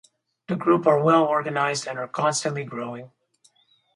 The group are well organized and are constantly growing.